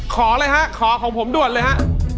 เลยฮะขอของผมด่วนเลยฮะ